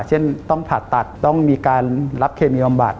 เช่นต้องผ่าตัดต้องมีการรับเคมีบำบัด